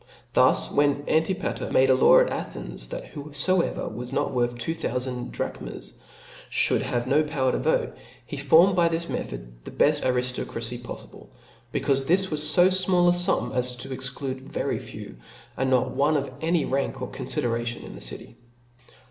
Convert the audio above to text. Thus when ('} Antipater (Oi>iodo made a law at Athens, that whofoever was notp"6oi.'" worth two thoufand drachms, fhould have no power ^®^®.^ to vote, he formed by this method the beft arifto tioo. cracy poffible ^ becaufe this was fo fmall a fum, as excluded very few, and not one of any rank or con fideration in the city.